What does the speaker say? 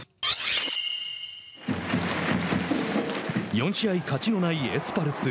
４試合勝ちのないエスパルス。